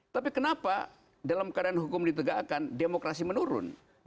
tapi kenapa dalam keadaan hukum ditegakkan demokrasi menurun